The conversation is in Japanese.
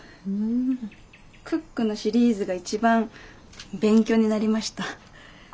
「クック」のシリーズが一番勉強になりました。